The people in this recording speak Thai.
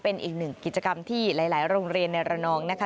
เป็นอีกหนึ่งกิจกรรมที่หลายโรงเรียนในระนองนะคะ